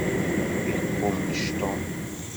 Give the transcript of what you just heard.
Iqummec Tom.